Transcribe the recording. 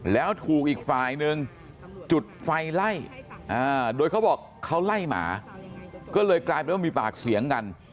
แล้วถูกอีกฝ่ายนึงจุดไฟไล่โดยเขาบอกเขาไล่หมาก็เลยกลายเป็นว่ามีปากเสียงกัน